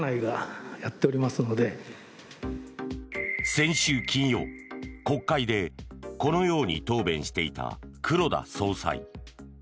先週金曜、国会でこのように答弁していた黒田総裁。